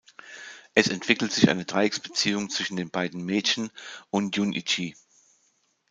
Es entwickelt sich eine Dreiecksbeziehung zwischen den beiden Mädchen und Jun'ichi.